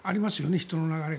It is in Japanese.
人の流れが。